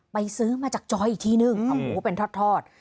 ไปซื้อมาจากจอยอีกที่หนึ่งเอาหูเป็นทอดทอด